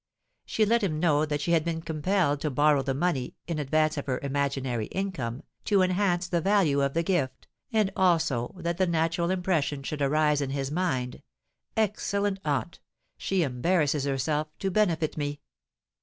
She let him know that she had been compelled to borrow the money (in advance of her imaginary income), to enhance the value of the gift, and also that the natural impression should arise in his mind—"Excellent aunt! she embarrasses herself to benefit me!"